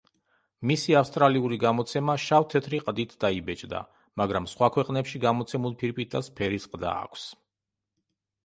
მისი ავსტრალიური გამოცემა შავ-თეთრი ყდით დაიბეჭდა, მაგრამ სხვა ქვეყნებში გამოცემულ ფირფიტას ფერის ყდა აქვს.